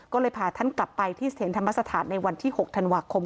ก็เลยพาท่านกลับไปที่เสถียรธรรมสถานในวันที่๖ธันวาคม